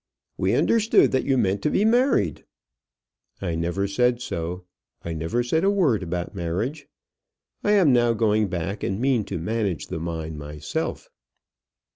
"We understood that you meant to be married." "I never said so. I never said a word about marriage. I am now going back, and mean to manage the mine myself."